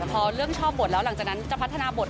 พอเริ่มชอบบทแล้วหลังจากนั้นจะพัฒนาบท